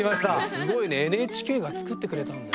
すごいねＮＨＫが作ってくれたんだ。